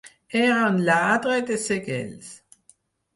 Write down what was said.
Era un lladre de segells.